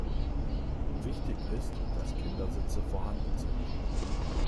Wichtig ist, dass Kindersitze vorhanden sind.